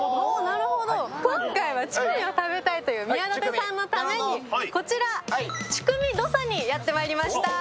今回はチュクミを食べたいという宮舘さんのためにチュクミドサにやってまいりました。